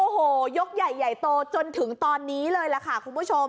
โอ้โหยกใหญ่ใหญ่โตจนถึงตอนนี้เลยล่ะค่ะคุณผู้ชม